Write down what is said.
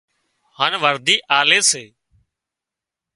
هانَ ورڌِي آلي سي